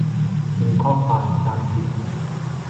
พิมพ์ข้อความตามเสียง